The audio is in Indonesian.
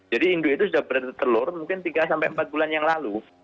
jadi induk itu sudah bertelur mungkin tiga sampai empat bulan yang lalu